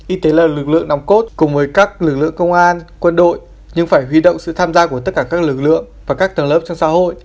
y tế là lực lượng nòng cốt cùng với các lực lượng công an quân đội nhưng phải huy động sự tham gia của tất cả các lực lượng và các tầng lớp trong xã hội